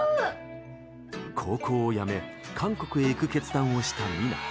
高校を辞め韓国へ行く決断をしたＭＩＮＡ。